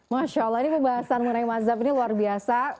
masya allah ini pembahasan mengenai mazhab ini luar biasa